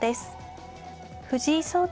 藤井聡太